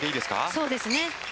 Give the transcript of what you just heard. そうですね。